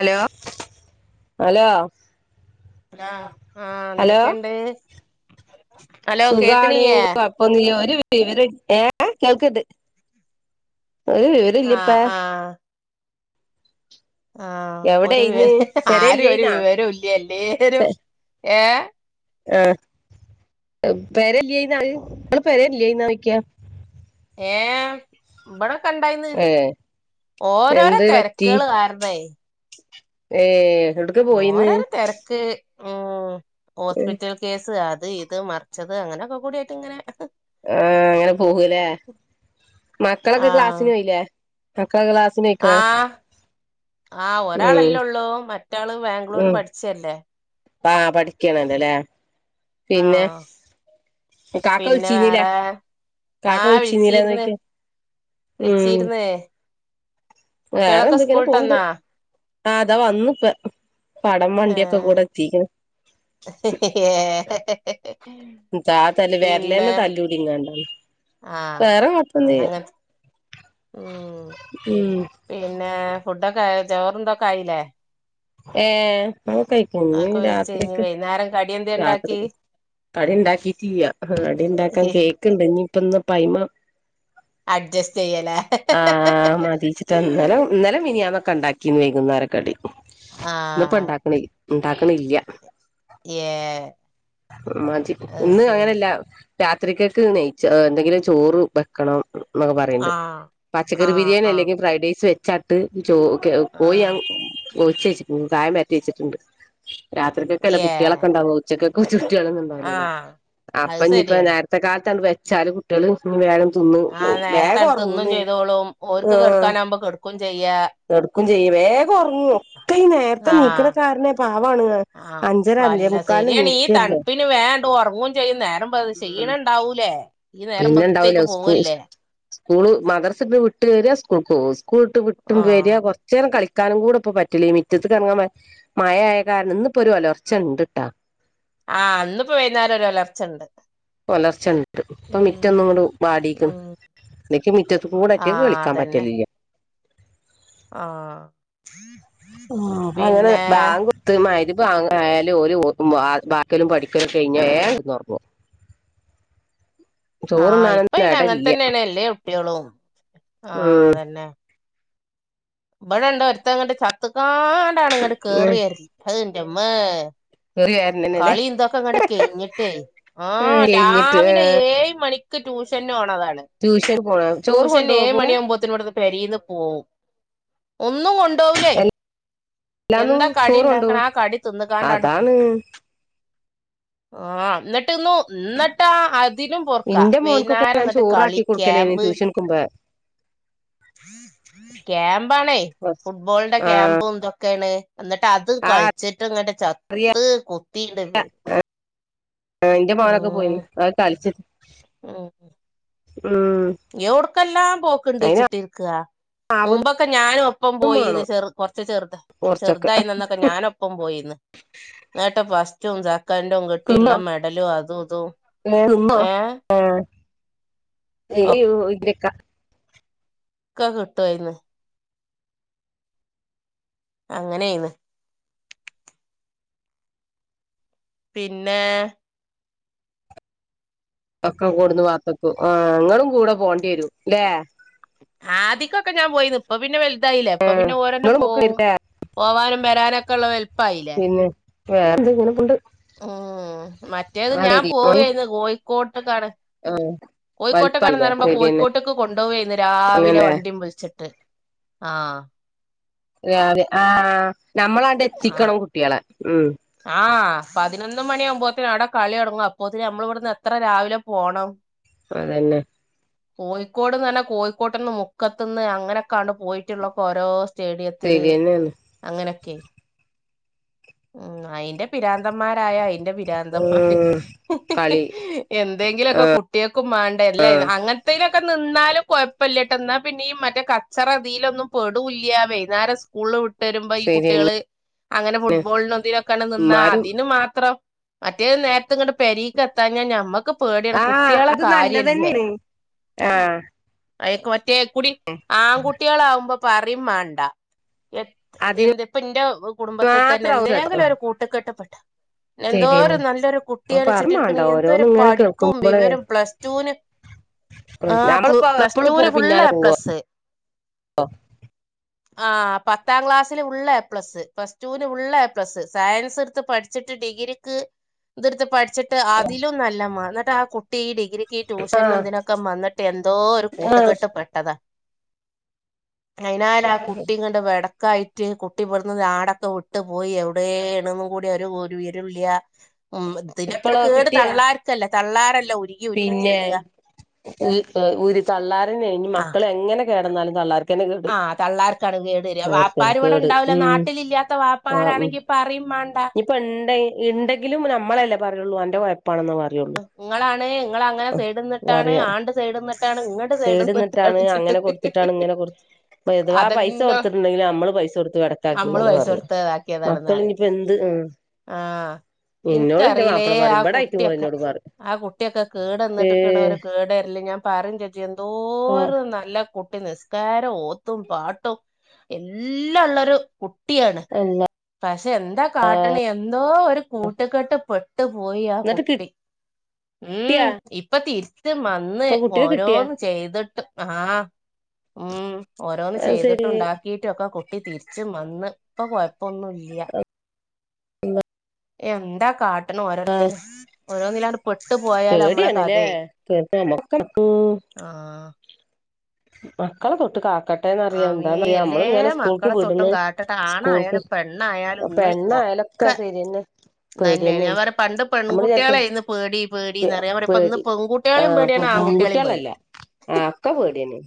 Hello hello hello ആഹ് hello എന്തക്കെണ്ട് സുഖാണ് ഒര് വിവരോ ഏ കേൾക്കിണ്ട് ഒര് വിവര ഇല്ലപ്പ ആഹ് ആഹ് ഒര് എവിടെയിന്ന് വിവര ആരു ഒര് പെരയില്ലേന്നാ വിവരോ ഇല്ല എല്ലേരും ഏ ആഹ് [unintelligible] ഏഹ് ഇബടക്ക ഇണ്ടായ്ന്ന് ഏ ഓരോരോ എന്ത് തെരക്കെള് കാർണേ ഏഹ് എടു ഓരോരോ തെര്ക്ക് ഉം ഹോസ്പിറ്റൽ കേസ് അത് ഇത് മർച്ചത് അങ്ങനൊയൊക്ക കൂടെയിട്ട് ഇങ്ങനെ ആഹ് അങ്ങനെ പോകുല്ലേ ആ മക്കളൊക്കെ ക്ലാസിന് പോയ്ല്ലേ മക്കളൊക്കെ ക്ലാസ് ആഹ് ആഹ് ഉം ഒരാളല്ലേള്ളൂ മറ്റള് ബാഗ്ലൂര് പഠിച്ചല്ലേ ആഹ് പഠിക്കണല്ലല്ലേ ആഹ് കാക്ക പിന്നെ വിളിച്ചീന്നില്ലേ വേറെ കാക്ക ആഹ് വിളിച്ചീന്നില്ലേന്ന് വിൾച്ചിര്ന്ന് ചോയ്ക്കാ വിൾച്ചിര്ന്ന് വേറെ എന്ത് ഇങ്ങനെ പോവ്ണ്ട് ആഹ് ഇതാ വന്ന് ഇപ്പ പടം ഏ വണ്ടിയൊക്ക കൂടെ എത്തിക്ക്‌ണ് ഏ തല്ല് പിന്നെ വെര്ലെന്നെ തല്ലൂടിങ്ങാണ്ട് ആണ് ആഹ് വേറെ [unintelligible] അതങ്ങനെ ഉം ഉം പിന്നെ ഫുഡൊക്ക ആയോ ചോറ് തൊക്കെ ആയിലേ ഏഹ് അതൊക്കെ ആയിക്ക്ണ് അതൊക്കെ ഇഞ്ഞ് വെയിച്ച് കഴിഞ്ഞ് രാത്രിക്ക് വൈന്നേരം കടി എന്തേ ഉണ്ടാക്കി രാത്രിക്കക്ക് കടി ഇണ്ടാക്കീട്ടില്ല കടിണ്ടാക്കാന് കേക്ക്ണ്ട് ഇഞ്ഞ്പ്പ ഇന്ന്പ്പ അയ്മ്മെ അഡ്ജസ്റ്റ് ചെയ്യലേ ആഹ് മതീച്ചിട്ടാണ് ഇന്നലെ ഇന്നലെം മിനിയാന്നൊക്കെ ഇണ്ടാക്കി ക്കീന്ന് വൈകുന്നേര കടി ഇന്നിപ്പോ ആഹ് ഇണ്ടാ ഇണ്ടാക്ക്ണ്ല്ല്യ യേ മതി ഇന്ന് അങ്ങനെല്ല രാത്രികക്ക് നെയിച്ചോ എന്തെങ്കിലും ചോറ് വെക്കണം ന്നൊക്കെപറയ്ണ്ട് ആഹ് പച്ചക്കറി ആഹ് ബിരിയാണി ആഹ് അല്ലെങ്കി ഫ്രൈഡ് റൈസ് വെച്ചാ ട്ട് ചോ കെ കോഴി ആഹ് ഞാന് കായം പെരട്ടി വെച്ചിട്ടുണ്ട് രാത്രികക്കല്ലേ ഏ കുട്ട്യാളെക്കണ്ടാവ ഉച്ചകക്ക് കുട്ട്യാളൊന്നും ണ്ടാവൂല്ലല്ലോ ആഹ് അത് അപ്പ ഇഞ്ഞ്പ്പ ശരിയാണ് നേ ർത്തെ കാല്ത്തങ്ങ് വെച്ചാലും കുട്ട്യാള് വേഗം തിന്ന് ആ വേഗം നേരത്തണ്ട് തിന്നും ഒറങ്ങൂന്ന് ചെയ്തോളും ഓര്ക്ക് ആഹ് കെടക്കാനാവുമ്പോ കെടക്കും ചെയ്യാ കെടുക്കും ചെയ്യും വേഗം ഒറങ്ങും ഇപ്പ ഈ നേരത്തെ നീക്ണ ആഹ് കാര്നെ പാവാണ് ആഹ് അഞ്ചെര അല്ല അഞ്ചേമുക്കാല്ന് നീ ശരിയാണ് ഈ തണ്പ്പിന് വേണ്ടൊറങ്ങും ചെയ്യും നേരം വെള്ത്താ ഉം ക്ഷീണണ്ടാവൂലെ ഈ നേരം പിന്നെണ്ടാവൂല വെള്ത്തേയ്ക്ക് സ്കൂ പോവല്ലേ സ്കൂള് മദ്രസ്ട്ട് വ്ട്ടെര സ്കൂൾക്കോവ സ്ക്കൂള്ങ്ങട്ട് വ്ട്ടെര ആഹ് കൊർ ച്ചേരം കളിക്കാനും കൂടെ ഇപ്പൊ പറ്റില്ല ഈ മിറ്റത്ത്ക്കെറങ്ങാന് മഴയായ കാരണം ഇന്ന് പ്പൊരു ഒലർച്ചണ്ട്ട്ടാ ആഹ് ഇന്നിപ്പം വൈന്നാരം ഒരു ഒലർച്ചണ്ട് ഒലർച്ചണ്ട് ഇപ്പം ഉം മിറ്റൊന്ന്ങ്ങട്ട് വാടീക്ക്ണ് ഉം നിക്ക് മുറ്റതുകൂടെ ഇറ്റങ്ങക്ക് ആഹ് കളിക്കാ അതന്നെ പറ്റലില്ല്യ ആഹ് ആഹ് അങ്ങനെ പിന്നെ ബാങ്കൊ ട്ത്ത് മഗ് രിബാങ്കായാല് ഓല് ഓതും വായിക്കലും പഠിക്കലും കയിഞാല് വേം കെടന്നൊറൊങ്ങും ഉ ആഹ് ഇപ്പന്നെ അങ്ങനെ തന്നേണ് എല്ലേ കുട്ട്യോളും ആഹ് ഉം അതെന്നെ ഇബടെണ്ടൊരുത്തൻ ങ്ങട്ട് ചത്ത്ങ്ങാണ്ടാണ് ങ്ങട്ട് കേറിവരല് ആഹ് ന്റെ മ്മേ കേറി വെര് കളിം ഇതൊക്കെ ങ്ങട്ട് കയിഞ്ഞിട്ടേ ആഹ് കഴിഞ്ഞിട്ട് രാവിലെ ഏഴ് മണി ക്ക് ട്യൂഷന് പോണതാണ് ട്യൂഷന് പോവെ ട്യൂഷൻ ചോറ്കൊണ്ടോവോ ഏഴ് പോവേ [unintelligible] പെരീന്ന് പോവും ഒന്നും കൊ ണ്ടോവൂലേ എല്ലാന്നും എന്താ കടി ഇണ്ടാക്ക്ണെ ആ കടി തിന്നുകാണ്ടാണ്ട് പോ ഉം ആഹ് ന്ന്ട്ട് ഒന്നു ഇന്ന്ട്ടാ അ തിനും പൊർക്കാ ഇന്റെ മോൻക്കൊക്കെ വൈന്നാരം ഞാൻ ന്ന്ട്ട് കളി ചോറാക്കി കൊടുക്കലേനി ക്യാമ്പ് ട്യൂഷൻക്കുമ്പോ ക്യാമ്പാണേ ഫുട്ബോളിന്റെ ക്യാമ്പും ഇതൊക്കേണ് എന്നിട്ട് അത് കളിച്ചിട്ട്ങ്ങട്ട് ചത്ത്കുത്ത ന്റെ മോനൊക്കെ ഉം പോയിനിം അത് കളിച്ചിട്ട് ഉം എവുട്ക്കെല്ലാം അയിന് പോക്ക്ണ്ട്ച്ചിട്ടിരിക്കാ ആവതും മുമ്പൊക്കെ ഞാനും ഒപ്പം പോയിന്ന് വേണം ചെറു കൊറച്ച് ചെറുത കൊറച്ചൊക്കെ ചെറുതായിന്നന്ന് ന്നിട്ട് ഞാനൊപ്പം പോയിന്ന് ന്നെട്ട് ഫസ്റ്റും സെ ക്കന്റും തിന്നോ കിട്ടിള്ള മെഡലും അതും ഇതും ഏഹ് ഏഹ് ഒക്കെ [unintelligible] ഒക്കെ കിട്ടായിര്ന്ന് അങ്ങനെയ്ന്ന് പിന്നെ ഒക്കെ കൊണ്ടന്ന് പത്തെക്കും ആഹ് ങ്ങളും കൂടെ പോണ്ടിരുംല്ലേ ആദിക്കൊക്കെ ഞാൻ പോയിന്ന് ഇപ്പ പിന്നെ വലുതായിലെ ഇപ്പ പിന്നെ ഓരോന്നെ ഇങ്ങളും പോവും പൊക്കല്ലേ പോവാനും വരാനൊക്കെള്ള വെൽപയിലെ പിന്നെ വേറെന്ത ഇങ്ങനെ പോവ്ണ്ട് ഉം മറ്റേത് ഞാൻ മോൻ പോവായിരുന്നു കോഴിക്കോട്ട്ക്കാണ്. ആ കോഴിക്കോട്ടക്കണെന്ന് വലിപ്പായില്ലേ പറയുമ്പോ ശരിയെന്നെ കോഴിക്കോട്ടേക്ക് കൊണ്ടുപോയിന്ന് രാവിലെ അങ്ങനെ വണ്ടിയും വിളിച്ചിട്ട്. ആഹ്. രാവിലെ ആ നമ്മളണ്ട് ആഹ് എത്തിക്കണം കുട്ടികളെ ഉം ആഹ് പതിനൊന്ന് മണിയാകുമ്പോത്തേന് അവിടെ കളി തൊടങ്ങും അപ്പോത്തിന് നമ്മള് ഇവിടുന്ന് എത്ര രാവിലെ പോണം. അതന്നെ. കോഴിക്കോട്ന്ന് പർഞ്ഞാ കോഴിക്കോട്ട നിന്ന് മുക്കത്ത് നിന്ന് അങ്ങനെയൊക്കണ് പോയിട്ടുള്ളൊക്കെ ഓരോ. സ്റ്റേഡിയത്തില് ശരിയെന്നെയാണ് അങ്ങനെയൊക്കെയ് ഉം അയിന്റെ പിരാന്തന്മാരായ അയിന്റെ. പിരാന്തന്മാര് ഉം കളി എന്തെങ്കിലൊക്കെ കു കുട്ടിയാക്കും വേണ്ട എല്ല അങ്ങനത്തേലൊക്കെ നിന്നാലും കുഴപ്പമില്ലട്ട എന്നാൽ പിന്നെ ഈ മറ്റേ ക ച്ചറ ഇതിലൊന്നും പെടൂല്ല വൈകുന്നേരം സ്കൂള് വിട്ട് വരുമ്പോ ഈ ശരിയെന്നെ കുട്ടികള്. അങ്ങനെ ഫുട്ബോളിനും ഇതിലൊക്കെയാണ് നിന്ന മ്മാരും അതിന് മാത്രം. മറ്റേത് നേരത്തെ ഇങ്ങ് പെരീക്കെത്താഞ്ഞാ ഞമ്മക്ക്. പേടിയാണ് ആഹ് കുട്ട്യാളെ അത് കാര്യല്ലേ. നല്ലതന്നെണ് ആഹ് അയൊക്കെ മറ്റേക്കുടി ആൺകുട്ടികളാവുമ്പോ പറയും വേണ്ട. എ അതിന് എന്ത് ഇപ്പ ഇന്റെ കുടുംബത്തിൽ തന്നെ മാത്രാവും എന്തെങ്കിലും ഒരു കൂട്ട് കെട്ട്പ്പെട്ട എന്തോരു ശരിയെന്നെ നല്ലൊരു ഇപ്പൊ പറയും മാണ്ട കുട്ടിയണിച്ചിട്ടിരിക്കണ ഓരോന്ന് എന്തൊരു ഇങ്ങനെ പഠിപ്പും കേൾക്കുമ്പളേ വിവരം പ്ലസ് ടുന്. ആ് നമ്മളിപ്പോ പ്ലസ് എപ്പളും ടൂന് പോലെ ഫുുള്ള് പിന്നാലെ എ പ്ലസ്. ആഹ് പത്താം ക്ലാസ്സില് full A plus. Plus two ന് ഫുള്ള് എ പ്ലസ്സ് സയൻസ് എടുത്ത് പഠിച്ചിട്ട് ഡിഗ്രിക്ക് ഇത്ടുത്ത് പഠ ച്ചിട്ട് അതിലും നല്ലമ്മ എന്നിട്ട് ആ കുട്ടി ഈ ഡി ഡിഗ്രിക്ക് ഈ പോവും ട്യൂഷനും ആഹ് ഇതിനൊക്കെ മന്നിട്ട് എന്തോ ഒരു ആഹ് കൂട്ടുകെട്ട് പെട്ടതാ. അയ്നാലെ ആ കുട്ടി ഇങ്ങട്ട് വടക്കായിട്ട് കുട്ടി ഇവടന്ന് നാ ടൊക്കെ വിട്ട് പോയി എവിടെണെന്നും കൂടി ഒരു വിവരല്യ ഉം ഇതിന്റെ ഒക്കെ ഇപ്പളോ കേട് കിട്ടിയാ തള്ളാർക്കല്ലേ തള്ളാരല്ലേ ഓരീ പിന്നെ ഒരു തള്ളാരന്നെ ഇഞ്ഞി ആഹ് മക്കൾ എങ്ങനെ കേടന്നാലും തള്ളാർ ആഹ് തള്ളാർക്കാണ് കേട് വര വാപ്പാർ ഓർക്കന്നെ ഇവിടെ കേട് ഉണ്ടാവൂല്ല ഉം നാട്ടില് ഇല്ലാത്ത വാപ്പാാരാണെങ്കി പറയും മാണ്ട. ഇപ്പ ഉണ്ട ഉണ്ടെങ്കിലും നമ്മളല്ലേ പറയുള്ളൂ അന്റെ കുഴപ്പാണെന്നെന്ന പറയുള്ളൂ. നിങ്ങളാണ് നിങ്ങള അങ്ങനെ സൈഡിന്നിട്ടാണ് പറയാ ആന്റെ സൈഡിന്നിട്ടാണ് ഇങ്ങട് സൈഡിന്നിട്ടാണ് സൈഡ്ന്നിട്ടാണ് ചിട്ട്. ഇപ്പൊ എഥവാ പൈസ കൊടുത്തിട്ടുണ്ടെങ്കിലിൽ നമ്മള് പൈസ കൊടുത്ത് വെടക്കാക്കി നമ്മള് എന്നാണ് പൈസ പറയാ കൊടുത്ത് ഇതാക്കിയതാണെന്ന് പറയും മക്കളിനിയിപ്പോ എന്ത് ഉം ആഹ് ഇന്നോട് ഇന്റെ ഇനിക്കറിയില്ലേ മാപ്പള ആ പറയും ഇബടായിട്ടും ഓള് കുട്ടിയൊക്കെ. ഇന്നോട് പറയും ആ കുട്ടിയൊക്കെ ഏഹ് കേട്ന്നിട്ട്ക്കണോര് കേടരില്ലല് ഞാൻ പറഞ്ഞ് ഇജ്ജ് ആഹ് എന്തോരം നല്ല കുട്ടി നിസ് ക്കാര ഓത്തും പാട്ടും എല്ലാം ഉള്ളൊരു കുട്ടിയാണ്. അല്ല. പക്ഷെ എന്താ കാട്ടണി എന്തോ ഒരു കൂട്ടുകെട്ട് പെട്ടു പോയി ആ എന്നിട്ട് കുട്ടി. കിട്ടിയാ ഉം ഇപ്പൊ തിരിച്ച് വന്ന് ഇപ്പൊ കുട്ടിനെ കിട്ടിയാ ഓരോന്ന്. ചെയ്തിട്ട് ആഹ് ഉം ഓരോന്ന് അത് ചെയ്തിട്ട് ശരി ഉണ്ടാക്കി. റ്റൊക്കെ കുട്ടി തിരിച്ച് വന്ന് ഇപ്പൊ കൊയപ്പൊന്നുല്ല. എന്താ കാട്ട ട്ടണ്ണ് ഓരോരുത്തര് ഓരോന്നിലാണ്ട് പെട്ടു പോയാല് നമ്മളെ പേടിയാണ്ല്ലേ കഥയേ നമുക്ക് ഉം ആഹ് മക്കളെ തൊട്ട് കാക്കട്ട ട്ടേന്നറിയാ ആമീ എന്താ പറയാ എല്ലേ നമ്മളിങ്ങനെ സ്കൂൾക്ക് മക്കളെ തൊട്ടും വിട്ന്ന് കാട്ടട്ടെ സ്കൂൾക്ക് ആണായാലും പെണ്ണായാലും പെണ്ണായാല ക്ക സീനില്ലേ തന്നെയാണ് ഞാൻ പറയാ പണ്ട് പെൺകുട്ടികളായിന്ന് പേടി പേ പേടിന്ന്റയ ഇന്ന്പ്പ ഇന്ന് പേടി പെൺ ആഹ് അപ്പൊ പെൺകുട്ടികളല്ല ആഹ് ഒക്കെ പേടിന്ന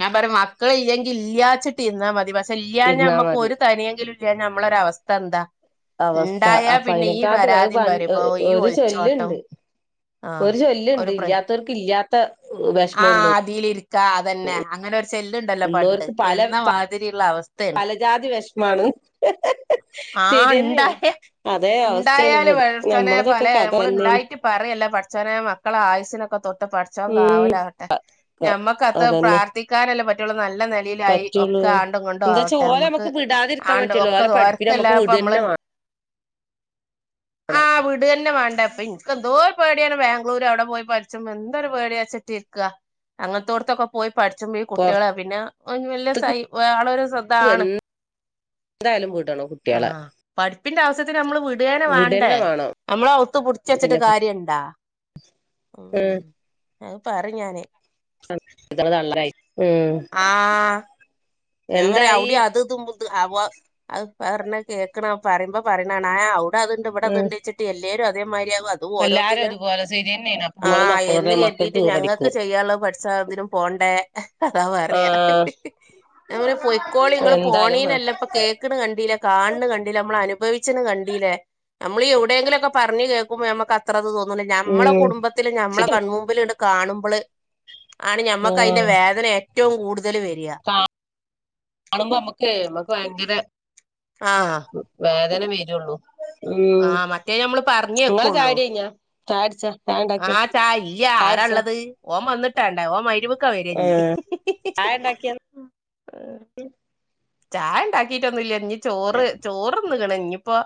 ഞാൻ പറയും മക്കള ഇല്ലെങ്കിൽ ഇല്ലാച്ചിട്ട് ഇരുന്നാ മതി പക്ഷെ ഇല്ലാഞ്ഞ ഇരുന്നാ നമ്മുക്ക് മതി ഒരു തരിയെങ്കിലും ല്ലാഞ്ഞ നമ്മളൊരവസ്ഥ എന്താ അവസ്ഥ ഇണ്ടായാ പിന്നെ ഈ അപ്പയ്നക്കാട്ടി ആഹ് പരാതിയും പണ്ട് പരിഭവോം ഈ ഒരു ഒളിച്ചോട്ടോം ചൊല്ലുണ്ട് ആഹ് ഒരു ചൊല്ലുണ്ട് ഒരു പ്ര ഇല്ലാത്തവർക്ക് ഇല്ലാത്ത വേ ആഹ് അതിലിരിത്ത അതന്നെ അങ്ങനൊ ചെല്ലുണ്ടല്ലോ പണ്ട് ഉള്ളവർക്ക് എന്ന മാതിരിയുള്ള അവസ്ഥാണ് ജ്ജാതി വെഷ്മാണ് ആഹ് ഇണ്ടായ അവസ്ഥയാണ് ഇണ്ടായാല് ഇപ്പത് പടച്ചോച്ചനെ പല നമ്മളതൊക്കെ കഥ നമ്മള് തന്നെയാണ് ഇണ്ടായിട്ട് പറയല്ലേ പടച്ചോനെ മക്കളെ ആയുസിനൊക്കെ തൊട്ട് പ ച്ചോൻ ഉം കാവലാവട്ടെ ഞമ്മക്കത് അതന്നെ പ്രാർത്ഥിക്കാനല്ലേ പറ്റുള്ള നല്ല നെ ലായി പറ്റുള്ളൂ ഒക്കെ ആണ്ടും കൊണ്ടും എന്താച്ചാ ആവട്ടെ ഓലെ നമ്മുക്ക് നമുക്ക് വിടാതിരിക്കാൻ ആണ്ട പറ്റുള്ളൂ ക്ക ഓലെ പഠിപ്പിന് ദോയർക്കല്ലെ നമുക്ക് അപ്പ അമ്മള് വിടന്നെ വേണം ആഹ് വീടന്നെ വേണ്ടപ്പെ എന്തോരു പേടിയാണ് ബാംഗ്ലൂര് അവിടെ പോയി പഠിച്ച എന്തോരു പേടിയാച്ചിട്ടിരിക്ക അങ്ങൻത്തോട് അങ്ങനത്തെോടത്തൊക്കെ പോയി പഠിച്ചമ്പീ കുട്ടികളെ പിന്നെ വലിയ സൈ ആളൊരു സ [unintelligible] എന്തായാലും വിടണോം ആഹ് പഠിപ്പിന്റെ ആവശ്യത്തിന് നമ്മള് വി കുടിയേന വേണ്ടേ വിടന്നെ വേണം നമ്മള് ഒത്ത് പുടിച്ചെച്ചിട്ട് പിന്നെ കാര്യണ്ടാ ഉം അത് പറേം ഞാന് [unintelligible] ആഹ് ഉം ഞാൻ പറയാ എന്തായി ഔടി അത് ഇത് അത് [unintelligible] പറഞ്ഞ കേക്കണ പറയുമ്പോ പറയണ ഇവിടെ അത്ണ്ട് ഇവടെ ഉം ഇത്ണ്ട്ച്ച്ട്ട് എല്ലാരും അതേ മാരിയാവോ എല്ലാരും ഓരോത്തില് അതുപോലെ ശരിയന്നെയാണ് അപ്പൊ നമ്മള് ആഹ് മക്കളോട് എന്ന് മക്കൾക്ക് കരുതിട്ട് ഞങ്ങൾക്ക് ഈറടിക്കും ചെയ്യാന്ള്ളത് പഠ [unintelligible] തിനും പോണ്ടേ അതാ ആ പറയാ ഞാൻ പറയിം പോയിക്കോളി ഇങ്ങള് എന്തായാലും പോണേനല്ലപ്പ കേക്കണ കണ്ടീലേ കാണണ കണ്ടീലേ നമ്മള അനുഭവിച്ചണ കണ്ടീലേ നമ്മളീ എവിടേങ്കിലൊക്കെ പറഞ് കേക്കുമ്പോ നമ്മക്ക് അത്രത് തോന്നൂല ഞമ്മളെ ഉം കുടുംബത്തില് ഞ്ഞമ്മളെ ശരിയാണ് കൺമുമ്പിലിണ്ട് കാണുമ്പള് ആണ് ഞമ്മക്ക് അയിന്റെ വേദന ഏറ്റവും കൂടുതലവര കാണുമ്പൊ നമ്മക്ക് നമുക്ക് ഭയങ്കര ആഹ് വേദന വരുള്ളൂ ഉം ആഹ് മറ്റേ നമ്മള് പറഞ്ഞെക്കുള്ളൂ ചായട്ച്ച ആഹ് ചാ ഇല്ല ആരള്ളത് ഓം വന്നിട്ടാണ്ട ഓ മരിബി ആഹ് ചായണ്ടാക്കി ചായണ്ടാക്കിട്ടൊന്നുല്ല ഇഞ് ചോറ് ചോറ്ന്ന്ക്ക്ണ് ഇഞ്ഞിപ്പോ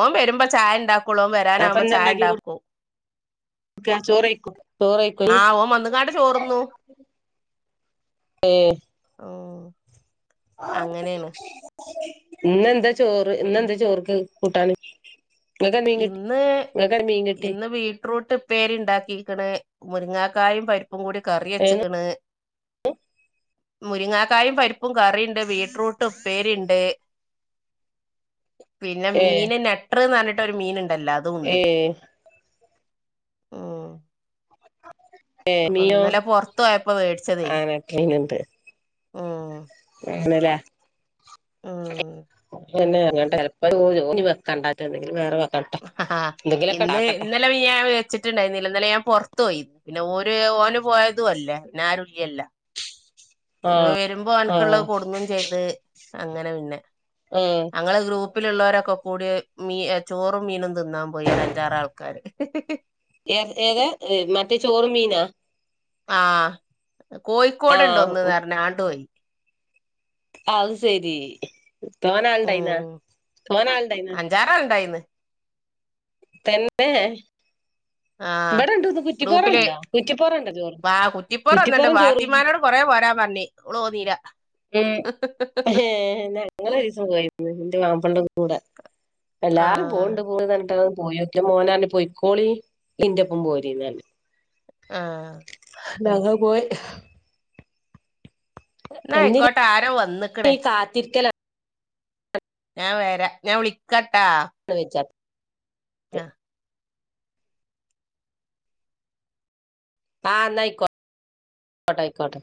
ഓം വരുമ്പോ ചായണ്ടാ ക്കുളം അപ്പൊ വരാനാവുമ്പോ എന്താ ഉണ്ടാക്കി ചായണ്ടാക്കും കൊടുക്ക ചോറ് കഴിക്കോ ചോറ് കഴിക്കോ ആഹ് ഓൻ വന്ന്ങ്ങാണ്ട് ചോറ്ന്നു ഏഹ് ഓഹ് അങ്ങനെണ് ഇന്നെന്താ ചോറ് പിന്നെ ഇന്നെന്താ ചോറ്ക്ക് കൂട്ടാണ് ഇന്ന് കിട്ടി ഇന്ന് വീട്രൂട്ട് ഇപ്പേരിണ്ടാക്കിക്ക്ണ് മുരിങ്ങാക്കായും പരി പ്പും കൂടി ഏ കറിച്ച്ക്കണ് മുരിങ്ങാക്കായും പരിപ്പും കറിണ്ട് ബീട്രൂട്ട് ഉപ്പേരിണ്ട് പിന്നെ ഏ മീന് നെട്ട്രന്നർഞ്ഞിട്ടൊരു മീന്ണ്ടല്ലോ അതു ഏ ഉണ്ട് ഉം ഏ അപ്പൊ മീനോ ഇന്നലെ പൊറത്തോയപ്പോ വേടിച്ചതേനി ഉം ഇന്നലെ ഉം പിന്നെ വേണ്ട ചെലപ്പോ ഇഞ് വെക്കണ്ട എന്തങ്കിലും വേറെ വെ ഇന്ന് ഇന്നലെ മീ ഞാൻ വേടിച്ചിട്ടുണ്ടായിരുന്നില്ല ഇ ന്നലെ ഞാൻ വെച്ചിട്ട്ണ്ടായിരുന്നില്ല ഇന്നലെ ഞാൻ പൊർത്തോയി പിന്നെ ഓര് ഓന് പോയതും അല്ലേ പിന്നെ ആരുല്ല്യല്ല ആഹ് വരുമ്പോ ഓൻക്ക്ള്ള ആഹ് കൊടുന്നുംചെയ്ത് അങ്ങനെ പിന്നെ എഹ് ഞങ്ങളെ ഗ്രൂപ്പിലിള്ളൊരൊക്കെക്കൂടി മീ ചോറും മീനും തിന്നാൻ പോയി ഒര് അഞ്ചാറ ആൾക്കാര് ഏഹ് ഏക മറ്റേ ചോറും മീനാ അഹ് കോഴിക്കോട്ണ്ട് ആഹ് ഒന്ന്ന്നറഞ്ഞ് ആണ്ടോയി അഹ് സരി തോനാൾണ്ടായിനാ തോനാൾണ്ടായിന ഞ്ചാറാൾ ഇണ്ടായിന്ന് തന്നെ ആഹ് ഇവിടെണ്ട് ഒന്ന് കുറ്റിപൊറം ഗ്രൂപ്പില് ഇണ്ടല്ലോ കുറ്റിപൊറംണ്ട ചോറും വാ കുറ്റിപ്പുറം വന്നിണ്ട് കുറ്റിപറീം ചോറിനും ഫാത്തിമാനോട് കൊറേ പോരാപർഞ്ഞി ഓള് പോന്നീല ഉം എഹ് ഞങ്ങള ഒരീസം പോയിരന്ന് ഇൻ്റെ മാപ്പളൻ്റെകൂടെ എല്ലാരും ആഹ് പോവ്ണ്ട് പോണതറിഞ്ഞിട്ട് ഒന്ന് പോയൊക്കി ഇന്റെ മോനറിഞ് പോയിക്കോളി ഇൻ്റപ്പം പോരിന്നർഞ്ഞ് ആഹ് ഞങൾ പോയി ഇന്നാ അയിക്കോട്ടെ ആരോ വന്ന്ക്കണ് തിരിക്കല ഞാൻ വരാ ഞാൻ വിളിക്കാട്ടാ ഫുഡ്‌ കഴിച്ച ആഹ് ആഹ് ന്ന ആയിക്കോട്ടെ ആയി ക്കോട്ടെ